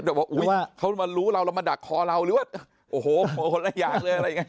เดี๋ยวบอกว่าเขามารู้เราแล้วมาดักคอเราหรือว่าโอ้โฮหลายอย่างเลย